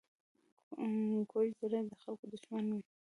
کوږ زړه د خلکو دښمن وي